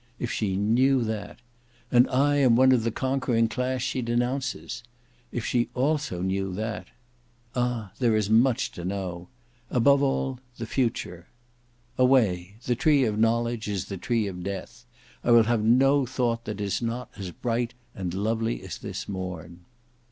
If she knew that! And I am one of the conquering class she denounces. If also she knew that! Ah! there is much to know! Above all—the future. Away! the tree of knowledge is the tree of death. I will have no thought that is not as bright and lovely as this morn."